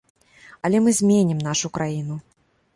Але мы зменім нашу краіну.